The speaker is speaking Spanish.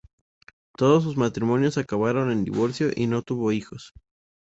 Todos sus matrimonios acabaron en divorcio, y no tuvo hijos.